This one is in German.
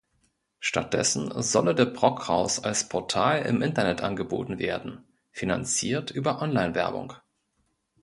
Stattdessen solle der "Brockhaus" als Portal im Internet angeboten werden, finanziert über Online-Werbung.